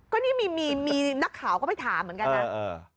ก็นี่มีนักข่าวก็ไปถามเหมือนกันนะ